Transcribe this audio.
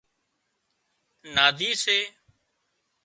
نادي سي